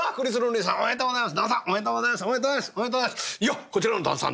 いやこちらの旦さん